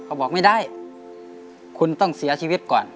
บอกไม่ได้คุณต้องเสียชีวิตก่อน